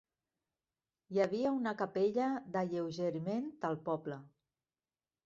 Hi havia una capella d'alleugeriment al poble.